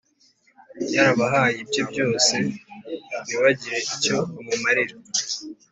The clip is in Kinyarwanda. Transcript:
yarabahaye ibye byose ntibagire icyo bamumarira